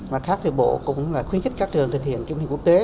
và khác thì bộ cũng khuyến khích các trường thực hiện kiểm định quốc tế